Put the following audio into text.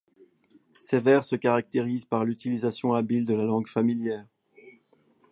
Ses vers se caractérisent par l'utilisation habile de la langue familière.